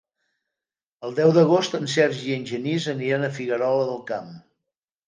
El deu d'agost en Sergi i en Genís aniran a Figuerola del Camp.